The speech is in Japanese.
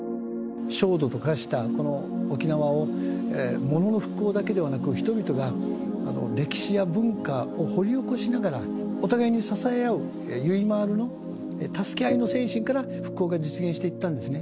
焦土と化したこの沖縄を、物の復興だけではなく、人々が歴史や文化を掘り起こしながら、お互いに支え合う、ゆいまーるの、助け合いの精神から復興が実現していったんですね。